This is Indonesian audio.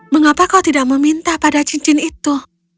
mengapa kau tidak meminta pada cincin itu